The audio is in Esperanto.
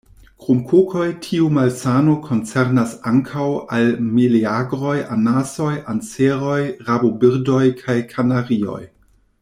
Krom kokoj, tiu malsano koncernas ankaŭ al meleagroj, anasoj, anseroj, rabobirdoj, kaj kanarioj.